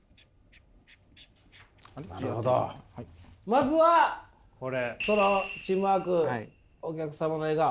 まずはそのチームワークお客様の笑顔。